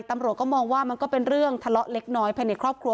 ตำรวจก็มองว่ามันก็เป็นเรื่องทะเลาะเล็กน้อยภายในครอบครัว